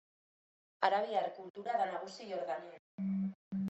Arabiar kultura da nagusi Jordanian.